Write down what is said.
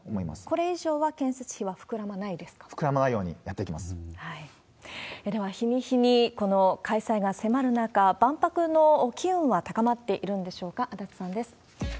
これ以上は建設費は膨らまな膨らまないようにやっていきでは、日に日にこの開催が迫る中、万博の機運は高まっているんでしょうか、足立さんです。